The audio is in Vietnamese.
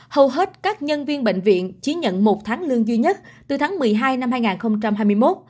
hầu hết các nhân viên bệnh viện chỉ nhận một tháng lương duy nhất từ tháng một mươi hai năm hai nghìn hai mươi một